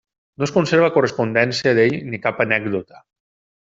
No es conserva correspondència d'ell ni cap anècdota.